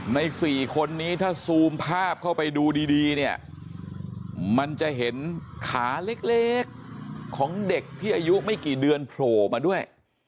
ใน๔คนนี้ถ้าซูมภาพเข้าไปดูดีเนี่ยมันจะเห็นขาเล็กของเด็กที่อายุไม่กี่เดือนโผล่มาด้วย